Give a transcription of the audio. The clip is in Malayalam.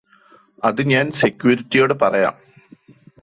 അത് ഞാന് സെക്യൂരിറ്റിയോട് പറയാം